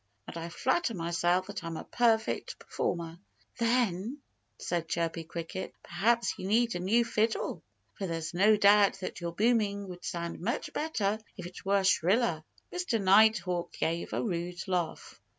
And I flatter myself that I'm a perfect performer." "Then," said Chirpy Cricket, "perhaps you need a new fiddle. For there's no doubt that your booming would sound much better if it were shriller." Mr. Nighthawk gave a rude laugh.